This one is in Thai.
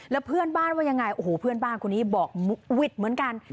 แล้วเพื่อนบ้านว่ายังไงโอ้โหเพื่อนบ้านคนนี้บอกวิทย์เหมือนกัน